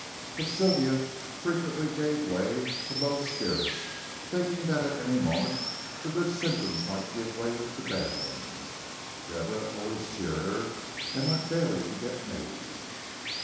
But Sylvia frequently gave way to low spirits, thinking that at any moment the good symptoms might give way to bad ones. Deborah always cheered her, and went daily to get news.